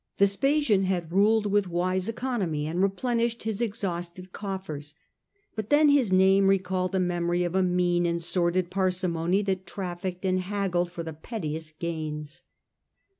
Vespasian had ruled with wise economy and replenished his e.xhausted coffers ; but then his name recalled the memory of a mean and sordid parsimony that trafficked and haggled for the pettiest gains.